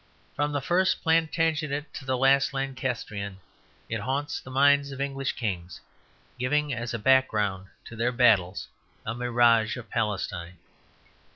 From the first Plantagenet to the last Lancastrian it haunts the minds of English kings, giving as a background to their battles a mirage of Palestine.